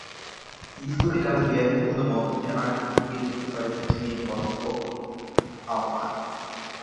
ফেসবুকে কারও হেঁয়ালিপূর্ণ মন্তব্যের আড়ালে লুকিয়ে থাকতে পারে প্রেমের পরোক্ষ আহ্বান।